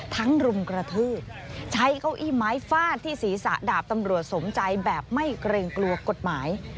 รุมกระทืบใช้เก้าอี้ไม้ฟาดที่ศีรษะดาบตำรวจสมใจแบบไม่เกรงกลัวกฎหมาย